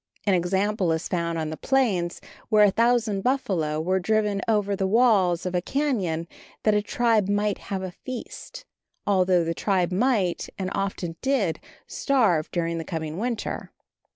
An example is found on the plains, where a thousand buffalo were driven over the walls of a cañon that a tribe might have a feast, although the tribe might, and often did, starve during the coming winter.